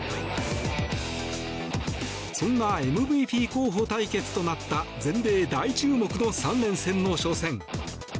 そんなＭＶＰ候補対決となった全米大注目の３連戦の初戦。